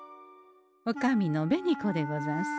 おかみの紅子でござんす。